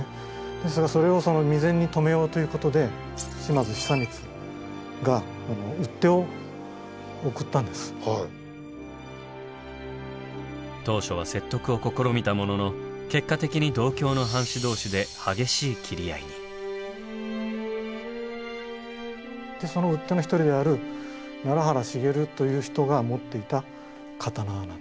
ですがそれを未然に止めようということで島津久光が当初は説得を試みたものの結果的に同郷のその討っ手の一人である奈良原繁という人が持っていた刀なんですね。